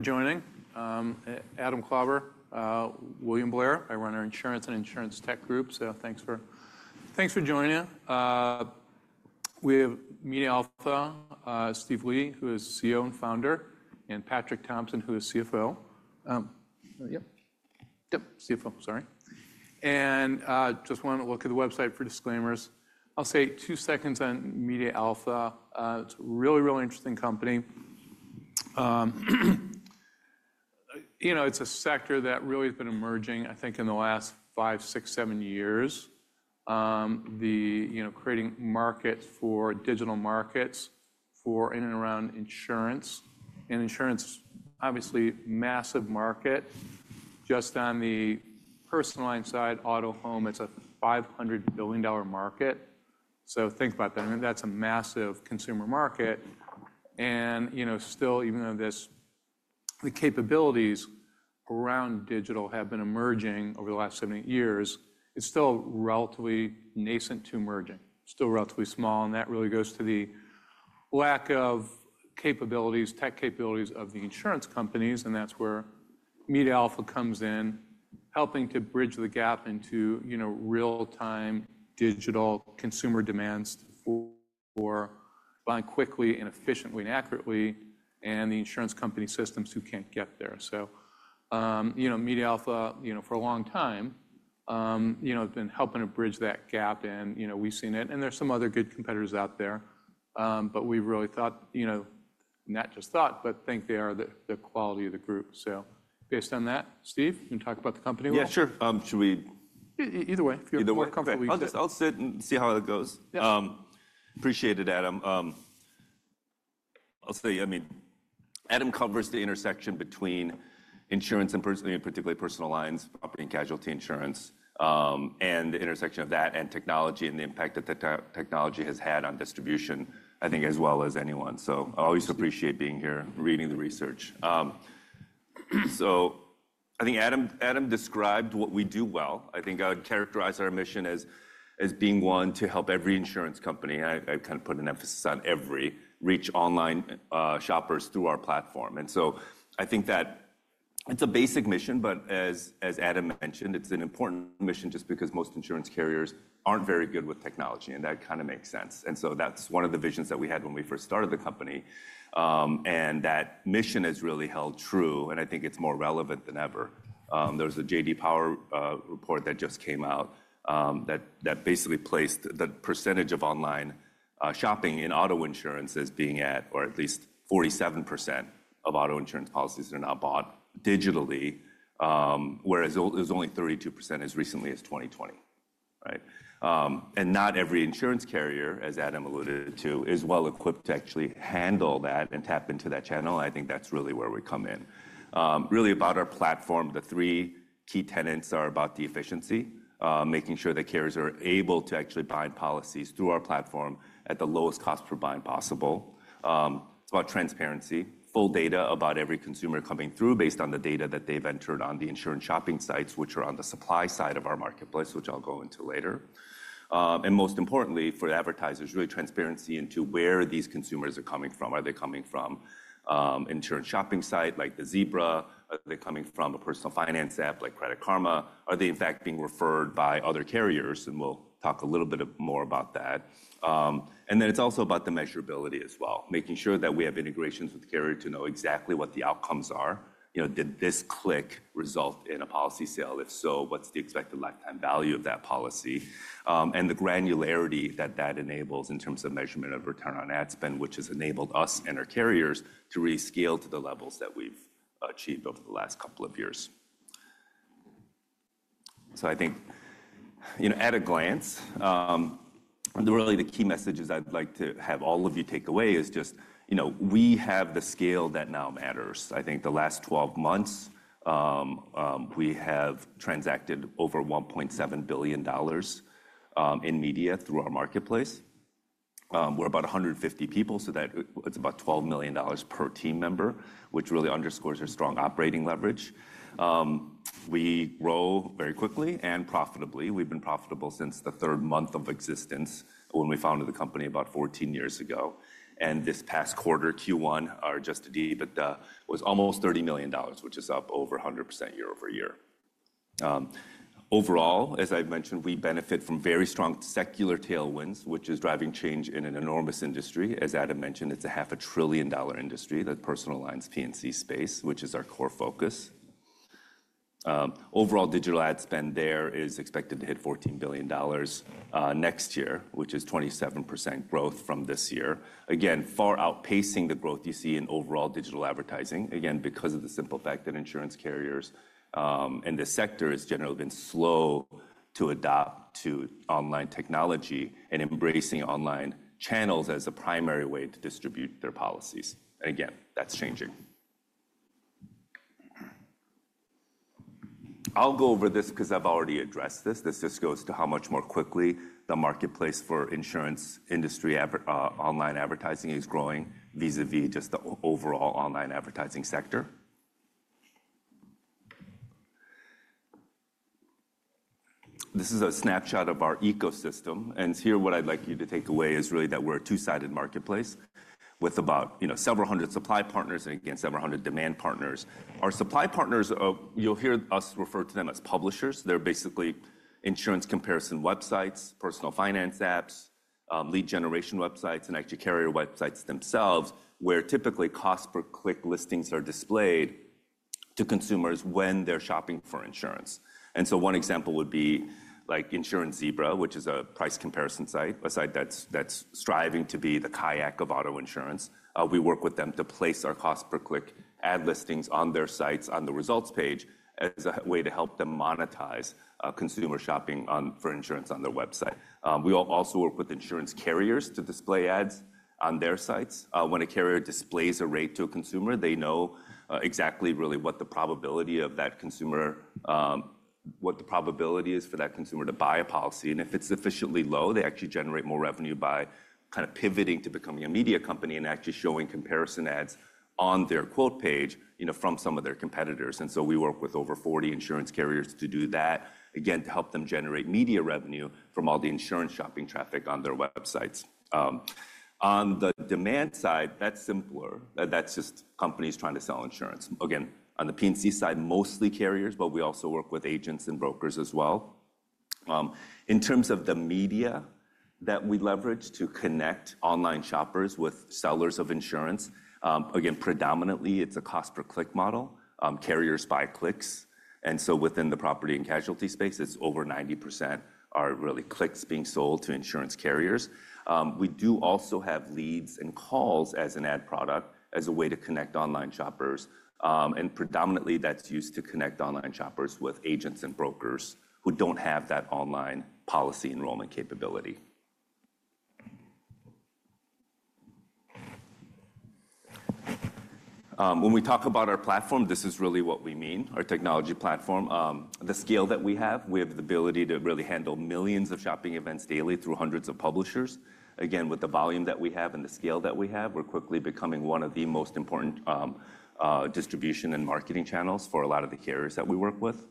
Joining. Adam Klauber, William Blair. I run our insurance and insurance tech group, so thanks for joining. We have MediaAlpha, Steve Yi, who is CEO and founder, and Patrick Thompson, who is CFO. Yep, CFO, sorry. And just wanted to look at the website for disclaimers. I'll say two seconds on MediaAlpha. It's a really, really interesting company. It's a sector that really has been emerging, I think, in the last five, six, seven years, creating markets for digital markets for in and around insurance. Insurance is obviously a massive market. Just on the personal line side, auto, home, it's a $500 billion market. Think about that. I mean, that's a massive consumer market. Still, even though the capabilities around digital have been emerging over the last seven, eight years, it's still relatively nascent to emerging. Still relatively small. That really goes to the lack of capabilities, tech capabilities of the insurance companies. That is where MediaAlpha comes in, helping to bridge the gap into real-time digital consumer demands for buying quickly and efficiently and accurately and the insurance company systems who cannot get there. MediaAlpha, for a long time, has been helping to bridge that gap. We have seen it. There are some other good competitors out there. We really thought, not just thought, but think they are the quality of the group. Based on that, Steve, you want to talk about the company a little bit? Yeah, sure. Should we? Either way, if you're more comfortable, you can. I'll sit and see how it goes. Appreciate it, Adam. I'll say, I mean, Adam covers the intersection between insurance and particularly personal lines, property and casualty insurance, and the intersection of that and technology and the impact that technology has had on distribution, I think, as well as anyone. I always appreciate being here, reading the research. I think Adam described what we do well. I think I would characterize our mission as being one to help every insurance company. I kind of put an emphasis on every reach online shoppers through our platform. I think that it's a basic mission, but as Adam mentioned, it's an important mission just because most insurance carriers aren't very good with technology. That kind of makes sense. That's one of the visions that we had when we first started the company. That mission has really held true. I think it's more relevant than ever. There's a J.D. Power report that just came out that basically placed that percentage of online shopping in auto insurance as being at, or at least 47% of auto insurance policies that are now bought digitally, whereas it was only 32% as recently as 2020. Not every insurance carrier, as Adam alluded to, is well equipped to actually handle that and tap into that channel. I think that's really where we come in. Really about our platform, the three key tenets are about the efficiency, making sure that carriers are able to actually buy policies through our platform at the lowest cost per buying possible. It's about transparency, full data about every consumer coming through based on the data that they've entered on the insurance shopping sites, which are on the supply side of our marketplace, which I'll go into later. Most importantly, for advertisers, really transparency into where these consumers are coming from. Are they coming from an insurance shopping site like The Zebra? Are they coming from a personal finance app like Credit Karma? Are they, in fact, being referred by other carriers? We'll talk a little bit more about that. It's also about the measurability as well, making sure that we have integrations with the carrier to know exactly what the outcomes are. Did this click result in a policy sale? If so, what's the expected lifetime value of that policy? The granularity that that enables in terms of measurement of return on ad spend, which has enabled us and our carriers to rescale to the levels that we've achieved over the last couple of years. I think at a glance, really the key messages I'd like to have all of you take away is just we have the scale that now matters. I think the last 12 months, we have transacted over $1.7 billion in media through our marketplace. We're about 150 people, so that it's about $12 million per team member, which really underscores our strong operating leverage. We grow very quickly and profitably. We've been profitable since the third month of existence when we founded the company about 14 years ago. This past quarter, Q1, our adjusted EBITDA was almost $30 million, which is up over 100% year over year. Overall, as I've mentioned, we benefit from very strong secular tailwinds, which is driving change in an enormous industry. As Adam mentioned, it's a half a trillion dollar industry, the personal lines, P&C space, which is our core focus. Overall digital ad spend there is expected to hit $14 billion next year, which is 27% growth from this year. Again, far outpacing the growth you see in overall digital advertising, again, because of the simple fact that insurance carriers and the sector has generally been slow to adopt to online technology and embracing online channels as a primary way to distribute their policies. Again, that's changing. I'll go over this because I've already addressed this. This just goes to how much more quickly the marketplace for insurance industry online advertising is growing vis-à-vis just the overall online advertising sector. This is a snapshot of our ecosystem. What I'd like you to take away here is really that we're a two-sided marketplace with about several hundred supply partners and, again, several hundred demand partners. Our supply partners, you'll hear us refer to them as publishers. They're basically insurance comparison websites, personal finance apps, lead generation websites, and actually carrier websites themselves where typically cost per click listings are displayed to consumers when they're shopping for insurance. One example would be The Zebra, which is a price comparison site, a site that's striving to be the kayak of auto insurance. We work with them to place our cost per click ad listings on their sites on the results page as a way to help them monetize consumer shopping for insurance on their website. We also work with insurance carriers to display ads on their sites. When a carrier displays a rate to a consumer, they know exactly really what the probability of that consumer, what the probability is for that consumer to buy a policy. If it's sufficiently low, they actually generate more revenue by kind of pivoting to becoming a media company and actually showing comparison ads on their quote page from some of their competitors. We work with over 40 insurance carriers to do that, again, to help them generate media revenue from all the insurance shopping traffic on their websites. On the demand side, that's simpler. That's just companies trying to sell insurance. Again, on the P&C side, mostly carriers, but we also work with agents and brokers as well. In terms of the media that we leverage to connect online shoppers with sellers of insurance, again, predominantly it's a cost per click model. Carriers buy clicks. Within the property and casualty space, it's over 90% are really clicks being sold to insurance carriers. We do also have leads and calls as an ad product as a way to connect online shoppers. Predominantly, that's used to connect online shoppers with agents and brokers who don't have that online policy enrollment capability. When we talk about our platform, this is really what we mean, our technology platform. The scale that we have, we have the ability to really handle millions of shopping events daily through hundreds of publishers. Again, with the volume that we have and the scale that we have, we're quickly becoming one of the most important distribution and marketing channels for a lot of the carriers that we work with.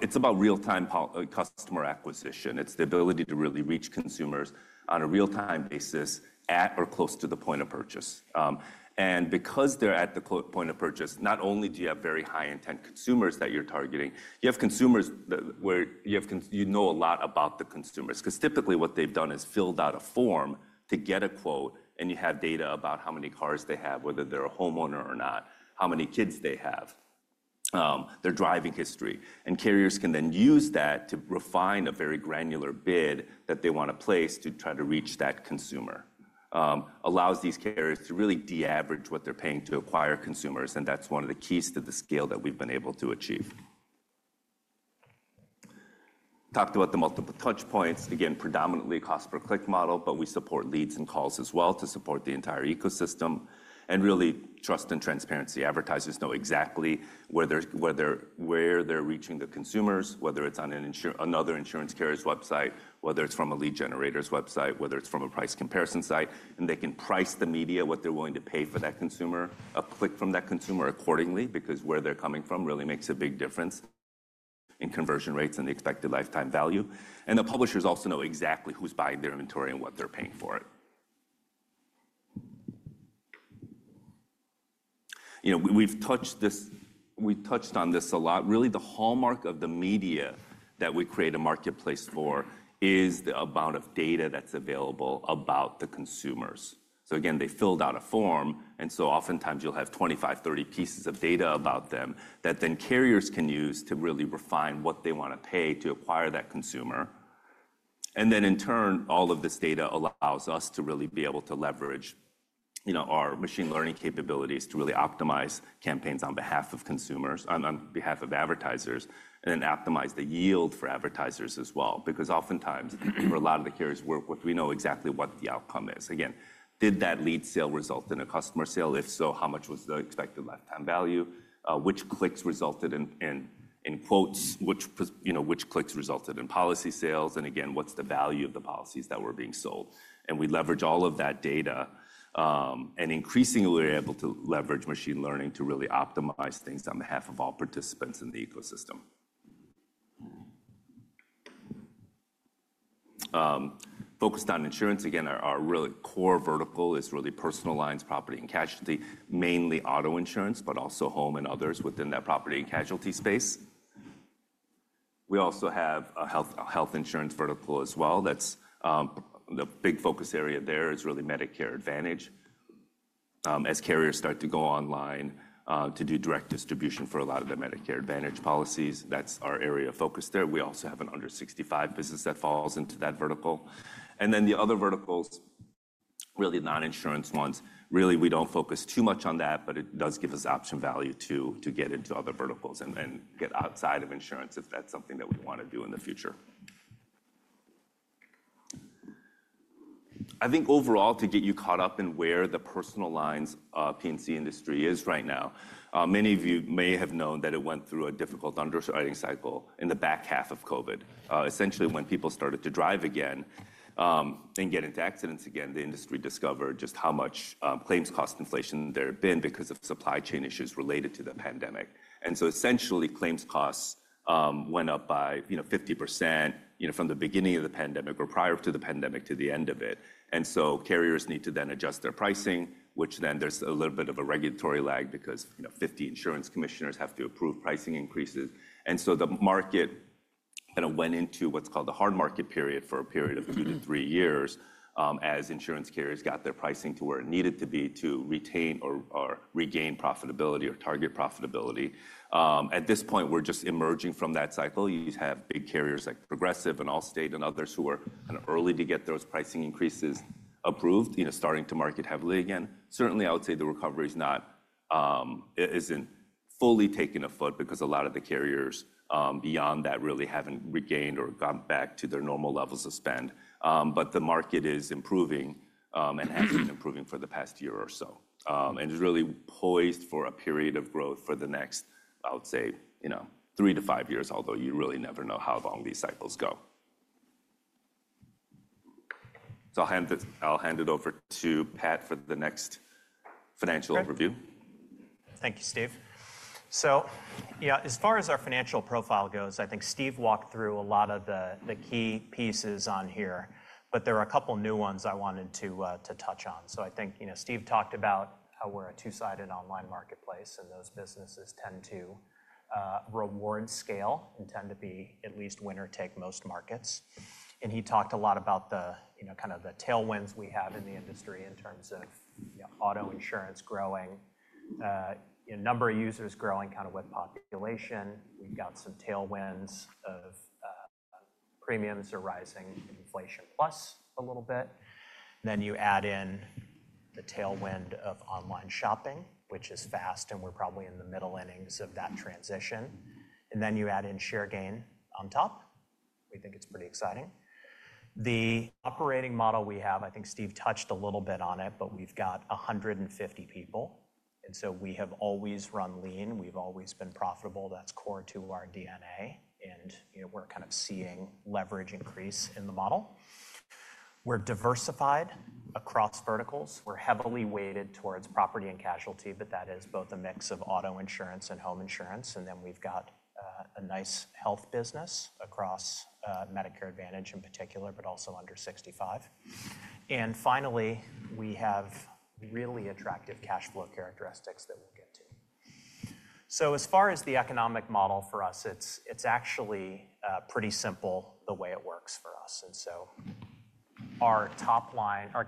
It's about real-time customer acquisition. It's the ability to really reach consumers on a real-time basis at or close to the point of purchase. Because they're at the point of purchase, not only do you have very high-intent consumers that you're targeting, you have consumers where you know a lot about the consumers. Because typically what they've done is filled out a form to get a quote, and you have data about how many cars they have, whether they're a homeowner or not, how many kids they have, their driving history. Carriers can then use that to refine a very granular bid that they want to place to try to reach that consumer. It allows these carriers to really de-average what they're paying to acquire consumers. That's one of the keys to the scale that we've been able to achieve. Talked about the multiple touch points. Again, predominantly cost per click model, but we support leads and calls as well to support the entire ecosystem. Really, trust and transparency. Advertisers know exactly where they're reaching the consumers, whether it's on another insurance carrier's website, whether it's from a lead generator's website, whether it's from a price comparison site. They can price the media, what they're willing to pay for that consumer, a click from that consumer accordingly, because where they're coming from really makes a big difference in conversion rates and the expected lifetime value. The publishers also know exactly who's buying their inventory and what they're paying for it. We've touched on this a lot. Really, the hallmark of the media that we create a marketplace for is the amount of data that's available about the consumers. Again, they filled out a form. Oftentimes you'll have 25, 30 pieces of data about them that carriers can use to really refine what they want to pay to acquire that consumer. In turn, all of this data allows us to really be able to leverage our machine learning capabilities to really optimize campaigns on behalf of consumers, on behalf of advertisers, and then optimize the yield for advertisers as well. Oftentimes, for a lot of the carriers we work with, we know exactly what the outcome is. Again, did that lead sale result in a customer sale? If so, how much was the expected lifetime value? Which clicks resulted in quotes? Which clicks resulted in policy sales? Again, what's the value of the policies that were being sold? We leverage all of that data. Increasingly, we're able to leverage machine learning to really optimize things on behalf of all participants in the ecosystem. Focused on insurance, again, our really core vertical is really personal lines, property and casualty, mainly auto insurance, but also home and others within that property and casualty space. We also have a health insurance vertical as well. The big focus area there is really Medicare Advantage. As carriers start to go online to do direct distribution for a lot of the Medicare Advantage policies, that's our area of focus there. We also have an under 65 business that falls into that vertical. The other verticals, really non-insurance ones, really we don't focus too much on that, but it does give us option value to get into other verticals and get outside of insurance if that's something that we want to do in the future. I think overall, to get you caught up in where the personal lines P&C industry is right now, many of you may have known that it went through a difficult underwriting cycle in the back half of COVID. Essentially, when people started to drive again and get into accidents again, the industry discovered just how much claims cost inflation there had been because of supply chain issues related to the pandemic. Essentially, claims costs went up by 50% from the beginning of the pandemic or prior to the pandemic to the end of it. Carriers need to then adjust their pricing, which then there's a little bit of a regulatory lag because 50 insurance commissioners have to approve pricing increases. The market kind of went into what is called the hard market period for a period of two to three years as insurance carriers got their pricing to where it needed to be to retain or regain profitability or target profitability. At this point, we are just emerging from that cycle. You have big carriers like Progressive and Allstate and others who were kind of early to get those pricing increases approved, starting to market heavily again. Certainly, I would say the recovery is not fully taking a foot because a lot of the carriers beyond that really have not regained or gone back to their normal levels of spend. The market is improving and has been improving for the past year or so. It is really poised for a period of growth for the next, I would say, three to five years, although you really never know how long these cycles go. I will hand it over to Pat for the next financial overview. Thank you, Steve. Yeah, as far as our financial profile goes, I think Steve walked through a lot of the key pieces on here, but there are a couple of new ones I wanted to touch on. I think Steve talked about how we're a two-sided online marketplace, and those businesses tend to reward scale and tend to be at least winner-take-most markets. He talked a lot about the kind of the tailwinds we have in the industry in terms of auto insurance growing, number of users growing kind of with population. We've got some tailwinds of premiums or rising inflation plus a little bit. You add in the tailwind of online shopping, which is fast, and we're probably in the middle innings of that transition. You add in share gain on top. We think it's pretty exciting. The operating model we have, I think Steve touched a little bit on it, but we've got 150 people. We have always run lean. We've always been profitable. That's core to our DNA. We're kind of seeing leverage increase in the model. We're diversified across verticals. We're heavily weighted towards property and casualty, but that is both a mix of auto insurance and home insurance. We've got a nice health business across Medicare Advantage in particular, but also under 65. We have really attractive cash flow characteristics that we'll get to. As far as the economic model for us, it's actually pretty simple the way it works for us. Our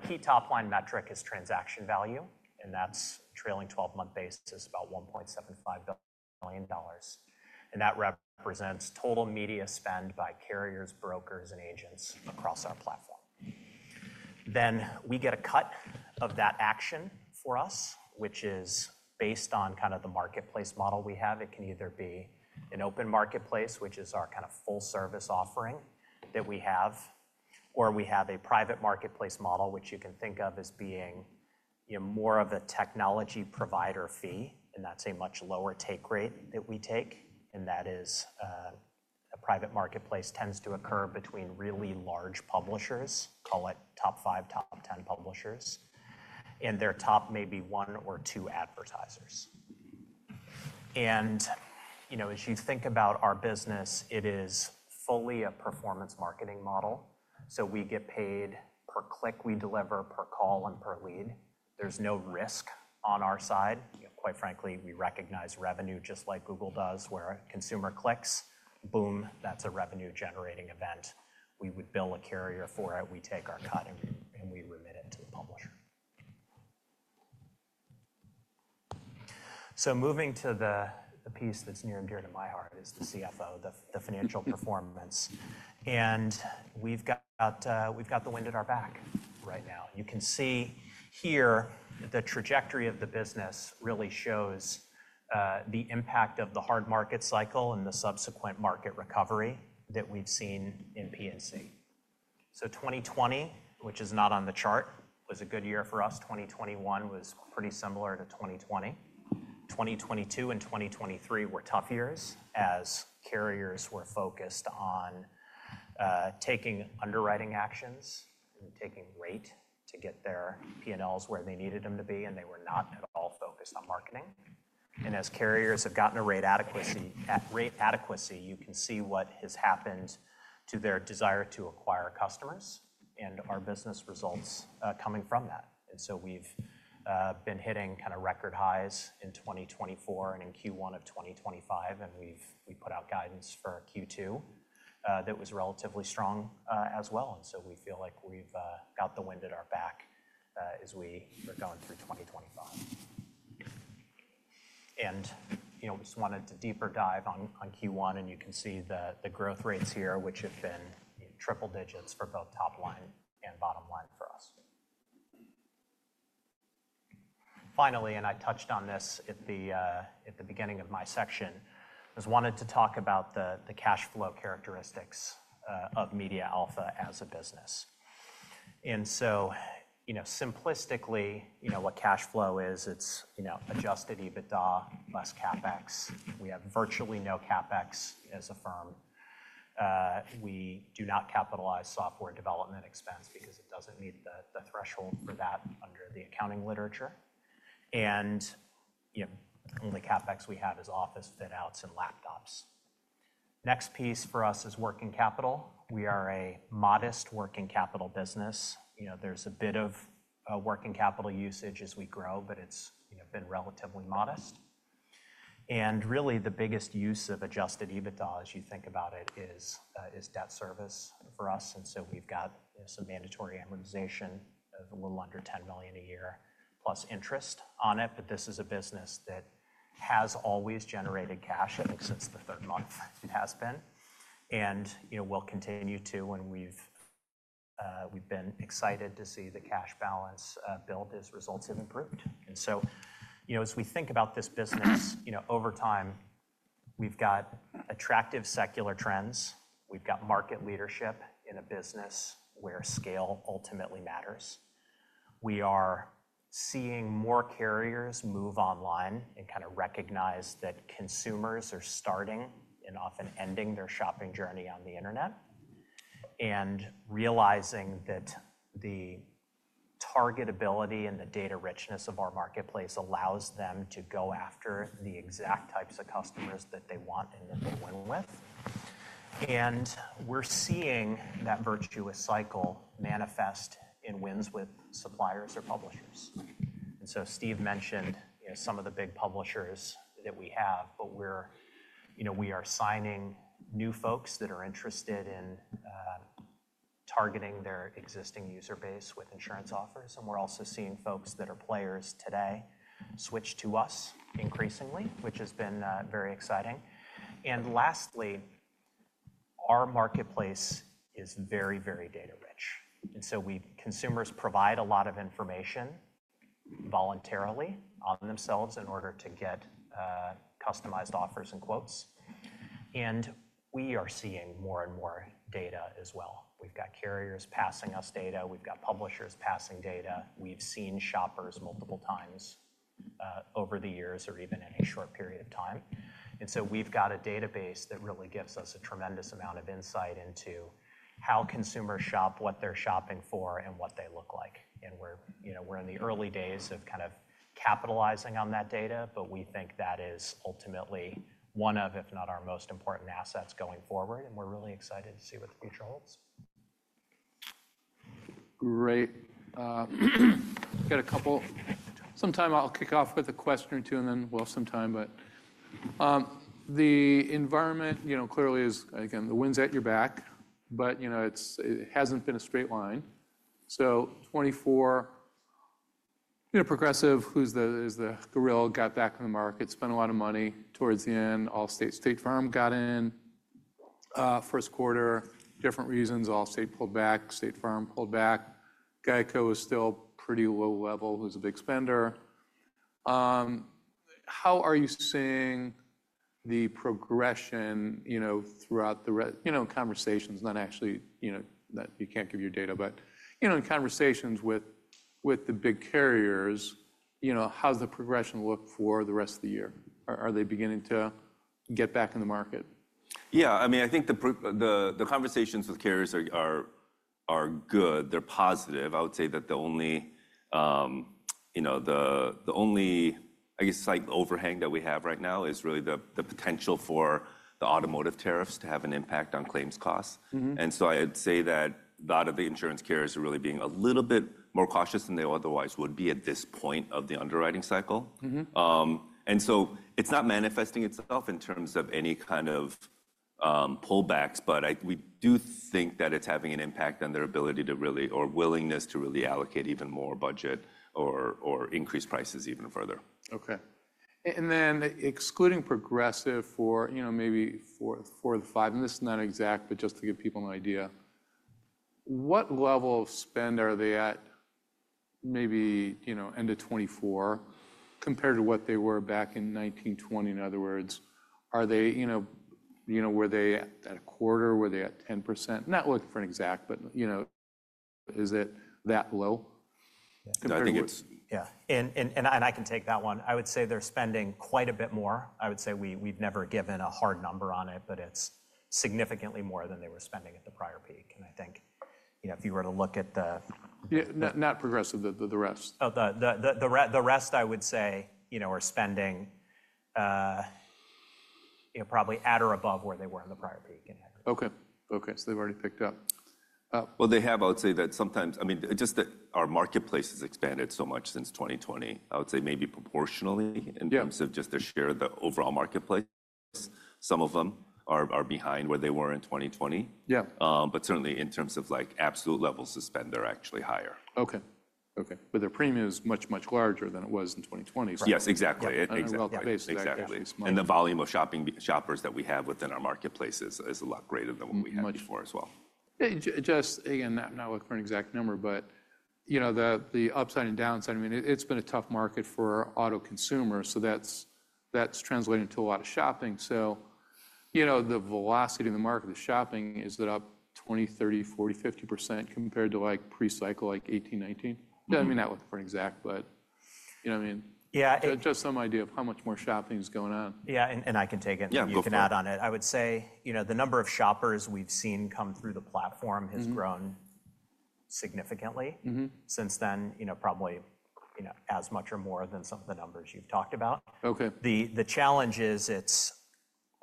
key top-line metric is transaction value, and that's trailing 12-month basis, about $1.75 billion. That represents total media spend by carriers, brokers, and agents across our platform. We get a cut of that action for us, which is based on kind of the marketplace model we have. It can either be an open marketplace, which is our kind of full-service offering that we have, or we have a private marketplace model, which you can think of as being more of a technology provider fee. That is a much lower take rate that we take. A private marketplace tends to occur between really large publishers, call it top five, top ten publishers, and their top maybe one or two advertisers. As you think about our business, it is fully a performance marketing model. We get paid per click we deliver, per call, and per lead. There is no risk on our side. Quite frankly, we recognize revenue just like Google does, where a consumer clicks, boom, that is a revenue-generating event. We would bill a carrier for it. We take our cut and we remit it to the publisher. Moving to the piece that is near and dear to my heart as the CFO, the financial performance. We have the wind at our back right now. You can see here the trajectory of the business really shows the impact of the hard market cycle and the subsequent market recovery that we have seen in P&C. 2020, which is not on the chart, was a good year for us. 2021 was pretty similar to 2020. 2022 and 2023 were tough years as carriers were focused on taking underwriting actions and taking rate to get their P&Ls where they needed them to be, and they were not at all focused on marketing. As carriers have gotten a rate adequacy, you can see what has happened to their desire to acquire customers and our business results coming from that. We have been hitting kind of record highs in 2024 and in Q1 of 2025, and we put out guidance for Q2 that was relatively strong as well. We feel like we have got the wind at our back as we are going through 2025. We just wanted to deeper dive on Q1, and you can see the growth rates here, which have been triple digits for both top-line and bottom-line for us. Finally, and I touched on this at the beginning of my section, I just wanted to talk about the cash flow characteristics of MediaAlpha as a business. Simplistically, what cash flow is, it is adjusted EBITDA plus CapEx. We have virtually no CapEx as a firm. We do not capitalize software development expense because it does not meet the threshold for that under the accounting literature. The only CapEx we have is office fit-outs and laptops. Next piece for us is working capital. We are a modest working capital business. There is a bit of working capital usage as we grow, but it has been relatively modest. Really, the biggest use of adjusted EBITDA, as you think about it, is debt service for us. We have some mandatory amortization of a little under 10 million a year plus interest on it. This is a business that has always generated cash. I think since the third month, it has been. We will continue to, and we have been excited to see the cash balance build as results have improved. As we think about this business over time, we have attractive secular trends. We've got market leadership in a business where scale ultimately matters. We are seeing more carriers move online and kind of recognize that consumers are starting and often ending their shopping journey on the internet and realizing that the targetability and the data richness of our marketplace allows them to go after the exact types of customers that they want and that they win with. We are seeing that virtuous cycle manifest in wins with suppliers or publishers. Steve mentioned some of the big publishers that we have, but we are signing new folks that are interested in targeting their existing user base with insurance offers. We are also seeing folks that are players today switch to us increasingly, which has been very exciting. Lastly, our marketplace is very, very data rich. Consumers provide a lot of information voluntarily on themselves in order to get customized offers and quotes. We are seeing more and more data as well. We have carriers passing us data. We have publishers passing data. We have seen shoppers multiple times over the years or even in a short period of time. We have a database that really gives us a tremendous amount of insight into how consumers shop, what they are shopping for, and what they look like. We are in the early days of kind of capitalizing on that data, but we think that is ultimately one of, if not our most important assets going forward. We are really excited to see what the future holds. Great. Got a couple. Sometime I'll kick off with a question or two and then we'll have some time, but the environment clearly is, again, the wind's at your back, but it hasn't been a straight line. So 2024, Progressive, who's the gorilla, got back in the market, spent a lot of money towards the end. Allstate, State Farm got in first quarter, different reasons. Allstate pulled back, State Farm pulled back. Geico is still pretty low level, who's a big spender. How are you seeing the progression throughout the conversations? Not actually that you can't give your data, but in conversations with the big carriers, how's the progression look for the rest of the year? Are they beginning to get back in the market? Yeah. I mean, I think the conversations with carriers are good. They're positive. I would say that the only, I guess, cycle overhang that we have right now is really the potential for the automotive tariffs to have an impact on claims costs. I would say that a lot of the insurance carriers are really being a little bit more cautious than they otherwise would be at this point of the underwriting cycle. It is not manifesting itself in terms of any kind of pullbacks, but we do think that it is having an impact on their ability to really, or willingness to really allocate even more budget or increase prices even further. Okay. And then excluding Progressive for maybe fourth, fifth, and this is not exact, but just to give people an idea, what level of spend are they at maybe end of 2024 compared to what they were back in 2019-2020? In other words, were they at a quarter? Were they at 10%? Not looking for an exact, but is it that low? Yeah. I think it's. Yeah. I can take that one. I would say they're spending quite a bit more. I would say we've never given a hard number on it, but it's significantly more than they were spending at the prior peak. I think if you were to look at the. Not Progressive, the rest. The rest, I would say, are spending probably at or above where they were in the prior peak. Okay. Okay. So they've already picked up. I would say that sometimes, I mean, just that our marketplace has expanded so much since 2020, I would say maybe proportionally in terms of just the share of the overall marketplace, some of them are behind where they were in 2020. Certainly, in terms of absolute levels to spend, they're actually higher. Okay. Okay. Their premium is much, much larger than it was in 2020. Yes, exactly. Exactly. The volume of shoppers that we have within our marketplace is a lot greater than what we had before as well. Just, again, not looking for an exact number, but the upside and downside, I mean, it's been a tough market for auto consumers, so that's translating to a lot of shopping. So the velocity of the market, the shopping, is that up 20%, 30%, 40%, 50% compared to pre-cycle like 2018, 2019? I mean, not looking for an exact, but you know what I mean? Yeah. Just some idea of how much more shopping is going on. Yeah. I can take it. You can add on it. I would say the number of shoppers we've seen come through the platform has grown significantly since then, probably as much or more than some of the numbers you've talked about. The challenge is it's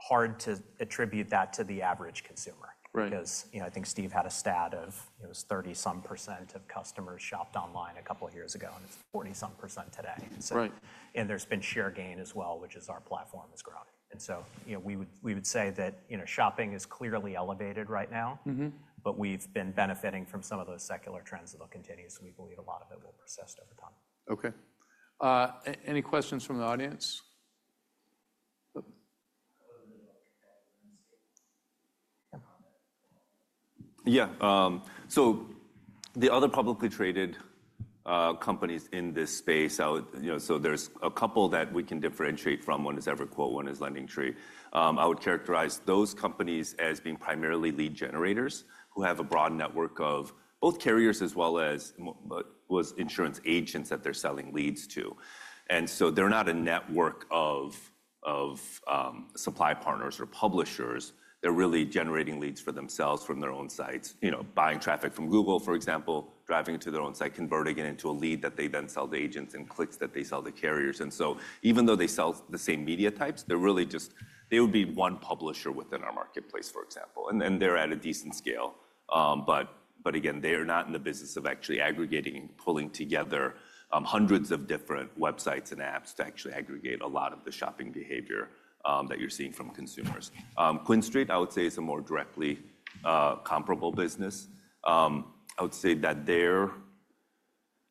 hard to attribute that to the average consumer because I think Steve had a stat of it was 30-some % of customers shopped online a couple of years ago, and it's 40-some % today. There's been share gain as well, which is our platform has grown. We would say that shopping is clearly elevated right now, but we've been benefiting from some of those secular trends that will continue. We believe a lot of it will persist over time. Okay. Any questions from the audience? Yeah. The other publicly traded companies in this space, so there's a couple that we can differentiate from. One is Everquote. One is LendingTree. I would characterize those companies as being primarily lead generators who have a broad network of both carriers as well as insurance agents that they're selling leads to. They're not a network of supply partners or publishers. They're really generating leads for themselves from their own sites, buying traffic from Google, for example, driving it to their own site, converting it into a lead that they then sell to agents and clicks that they sell to carriers. Even though they sell the same media types, they would be one publisher within our marketplace, for example. They're at a decent scale. Again, they are not in the business of actually aggregating and pulling together hundreds of different websites and apps to actually aggregate a lot of the shopping behavior that you're seeing from consumers. QuinStreet, I would say, is a more directly comparable business. I would say that their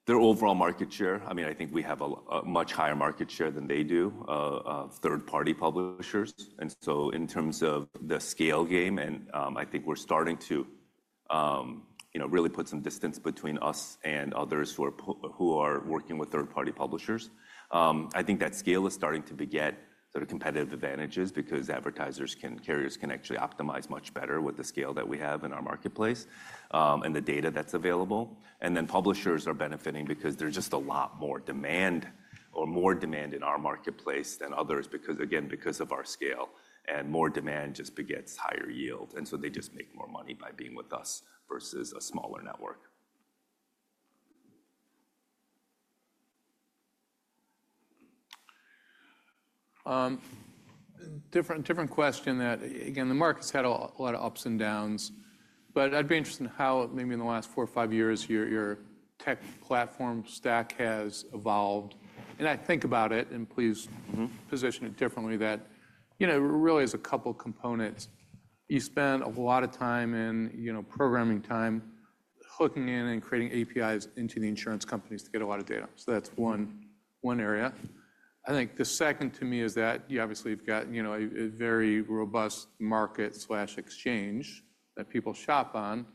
overall market share, I mean, I think we have a much higher market share than they do of third-party publishers. In terms of the scale game, I think we're starting to really put some distance between us and others who are working with third-party publishers. I think that scale is starting to beget sort of competitive advantages because advertisers and carriers can actually optimize much better with the scale that we have in our marketplace and the data that's available. Publishers are benefiting because there's just a lot more demand or more demand in our marketplace than others because, again, because of our scale and more demand just begets higher yield. They just make more money by being with us versus a smaller network. Different question that, again, the market's had a lot of ups and downs, but I'd be interested in how maybe in the last four or five years your tech platform stack has evolved. I think about it, and please position it differently, that really there's a couple of components. You spend a lot of time in programming time, hooking in and creating APIs into the insurance companies to get a lot of data. That's one area. I think the second to me is that you obviously have got a very robust market/exchange that people shop on.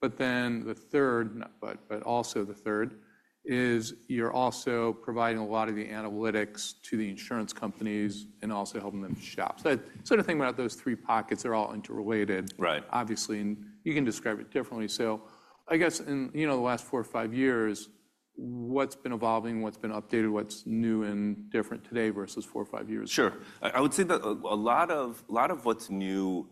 The third is you're also providing a lot of the analytics to the insurance companies and also helping them shop. Sort of thinking about those three pockets, they're all interrelated, obviously, and you can describe it differently. I guess in the last four or five years, what's been evolving, what's been updated, what's new and different today versus four or five years ago? Sure. I would say that a lot of what's new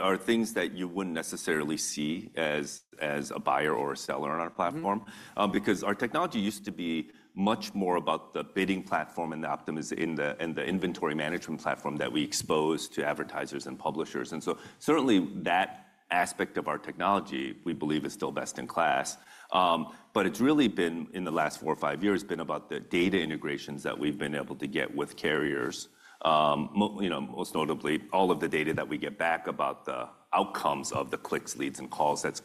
are things that you wouldn't necessarily see as a buyer or a seller on our platform because our technology used to be much more about the bidding platform and the inventory management platform that we expose to advertisers and publishers. Certainly that aspect of our technology, we believe, is still best in class. It has really been, in the last four or five years, about the data integrations that we've been able to get with carriers, most notably all of the data that we get back about the outcomes of the clicks, leads, and calls that's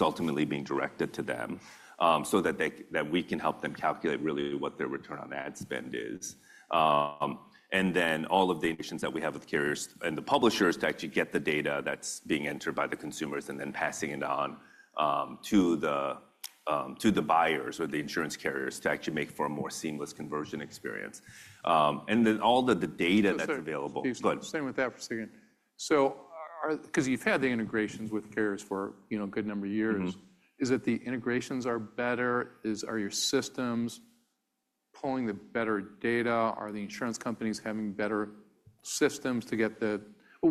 ultimately being directed to them so that we can help them calculate really what their return on ad spend is. All of the issues that we have with carriers and the publishers to actually get the data that's being entered by the consumers and then passing it on to the buyers or the insurance carriers to actually make for a more seamless conversion experience. All of the data that's available. Sorry. Stay with that for a second. Because you've had the integrations with carriers for a good number of years, is that the integrations are better? Are your systems pulling the better data? Are the insurance companies having better systems to get the. I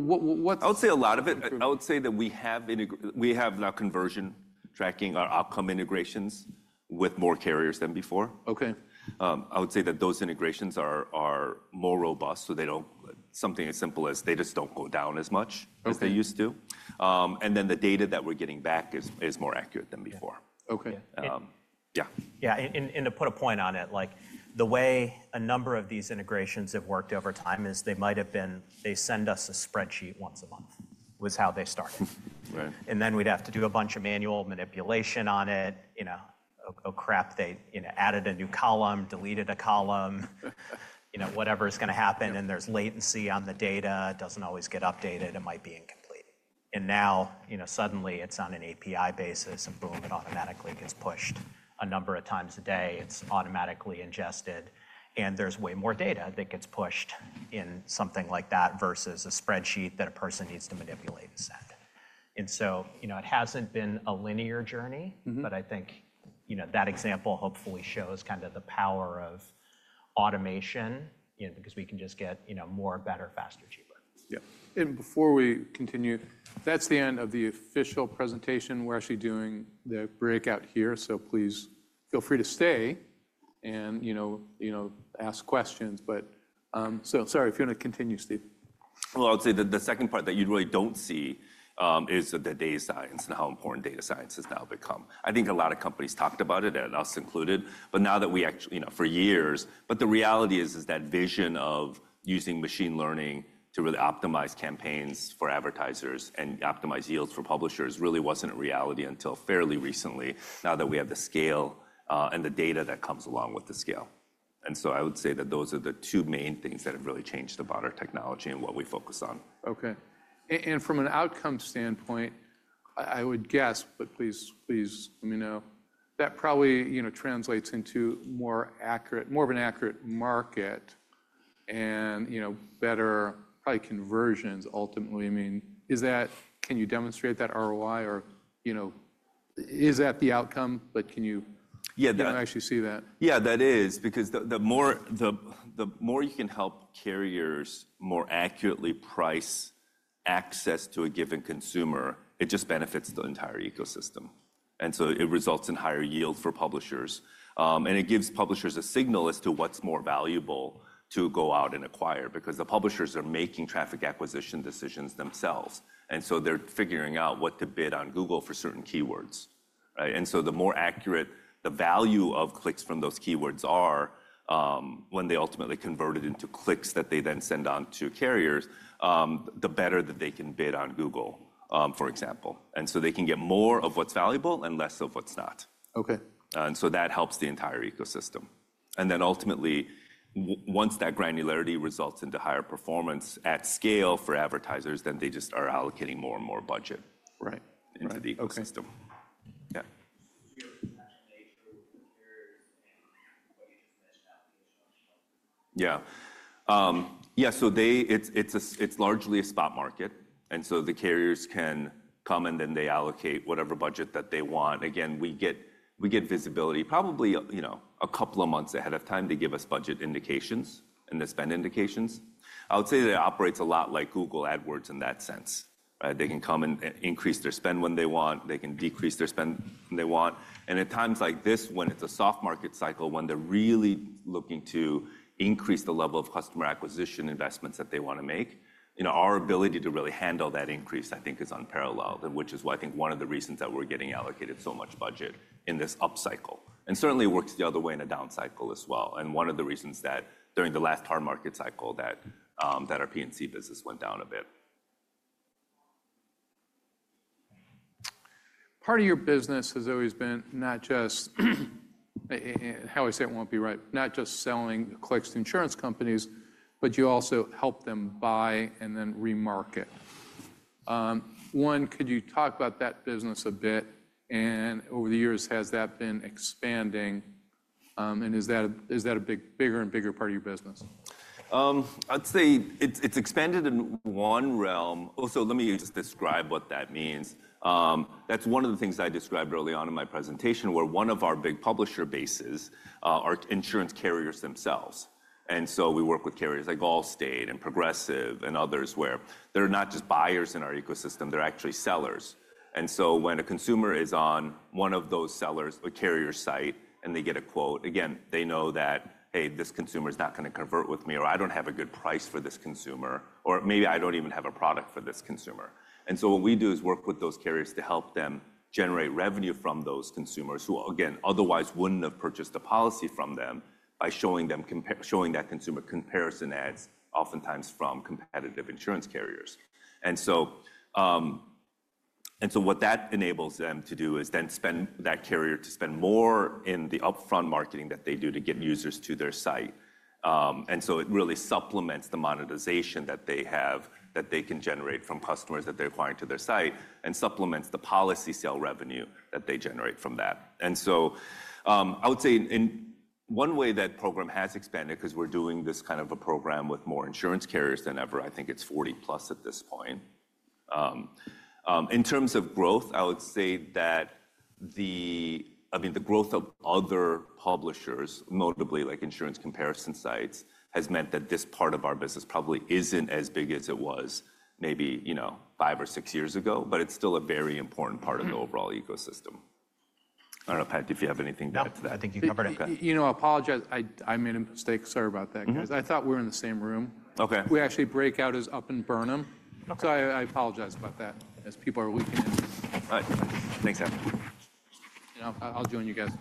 would say a lot of it. I would say that we have now conversion tracking, our outcome integrations with more carriers than before. I would say that those integrations are more robust. Something as simple as they just do not go down as much as they used to. The data that we are getting back is more accurate than before. Yeah. Yeah. To put a point on it, the way a number of these integrations have worked over time is they might have been, they send us a spreadsheet once a month was how they started. Then we'd have to do a bunch of manual manipulation on it. Oh, crap, they added a new column, deleted a column, whatever's going to happen, and there's latency on the data, doesn't always get updated, it might be incomplete. Now suddenly it's on an API basis and boom, it automatically gets pushed a number of times a day. It's automatically ingested. There's way more data that gets pushed in something like that versus a spreadsheet that a person needs to manipulate and send. It hasn't been a linear journey, but I think that example hopefully shows kind of the power of automation because we can just get more, better, faster, cheaper. Yeah. Before we continue, that's the end of the official presentation. We're actually doing the breakout here, so please feel free to stay and ask questions. Sorry if you want to continue, Steve. I would say that the second part that you really don't see is the data science and how important data science has now become. I think a lot of companies talked about it, and us included, but now that we actually for years, but the reality is that vision of using machine learning to really optimize campaigns for advertisers and optimize yields for publishers really wasn't a reality until fairly recently, now that we have the scale and the data that comes along with the scale. I would say that those are the two main things that have really changed about our technology and what we focus on. Okay. From an outcome standpoint, I would guess, but please let me know, that probably translates into more of an accurate market and better probably conversions ultimately. I mean, can you demonstrate that ROI, or is that the outcome, but can you actually see that? Yeah, that is because the more you can help carriers more accurately price access to a given consumer, it just benefits the entire ecosystem. It results in higher yield for publishers. It gives publishers a signal as to what's more valuable to go out and acquire because the publishers are making traffic acquisition decisions themselves. They are figuring out what to bid on Google for certain keywords. The more accurate the value of clicks from those keywords are when they ultimately convert it into clicks that they then send on to carriers, the better that they can bid on Google, for example. They can get more of what's valuable and less of what's not. That helps the entire ecosystem. And then ultimately, once that granularity results into higher performance at scale for advertisers, they just are allocating more and more budget into the ecosystem. Yeah. Yeah. It is largely a spot market. The carriers can come and then they allocate whatever budget that they want. Again, we get visibility probably a couple of months ahead of time. They give us budget indications and the spend indications. I would say that it operates a lot like Google AdWords in that sense. They can come and increase their spend when they want. They can decrease their spend when they want. At times like this, when it's a soft market cycle, when they're really looking to increase the level of customer acquisition investments that they want to make, our ability to really handle that increase, I think, is unparalleled, which is why I think one of the reasons that we're getting allocated so much budget in this upcycle. It certainly works the other way in a downcycle as well. One of the reasons that during the last hard market cycle that our P&C business went down a bit. Part of your business has always been not just, how I say it won't be right, not just selling clicks to insurance companies, but you also help them buy and then remarket. One, could you talk about that business a bit? Over the years, has that been expanding? Is that a bigger and bigger part of your business? I'd say it's expanded in one realm. Let me just describe what that means. That's one of the things I described early on in my presentation where one of our big publisher bases are insurance carriers themselves. We work with carriers like Allstate and Progressive and others where they're not just buyers in our ecosystem. They're actually sellers. When a consumer is on one of those sellers' carrier site and they get a quote, again, they know that, hey, this consumer is not going to convert with me, or I don't have a good price for this consumer, or maybe I don't even have a product for this consumer. What we do is work with those carriers to help them generate revenue from those consumers who, again, otherwise wouldn't have purchased a policy from them by showing that consumer comparison ads, oftentimes from competitive insurance carriers. What that enables them to do is then spend more in the upfront marketing that they do to get users to their site. It really supplements the monetization that they have, that they can generate from customers that they're acquiring to their site, and supplements the policy sale revenue that they generate from that. I would say one way that program has expanded is because we're doing this kind of a program with more insurance carriers than ever. I think it's 40 plus at this point. In terms of growth, I would say that the growth of other publishers, notably like insurance comparison sites, has meant that this part of our business probably is not as big as it was maybe five or six years ago, but it is still a very important part of the overall ecosystem. I do not know, if you have anything to add to that. I think you covered it. I apologize. I made a mistake. Sorry about that, guys. I thought we were in the same room. We actually break out as Up and Burnham. I apologize about that as people are weakening. All right. Thanks, everyone. I'll join you guys.